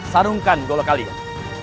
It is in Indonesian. sarungkan golok kalian